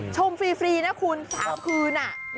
ฟรีนะคุณ๓คืน